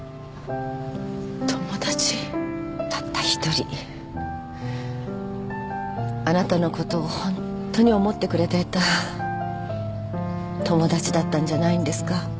たった一人あなたのことをホントに思ってくれていた友達だったんじゃないんですか？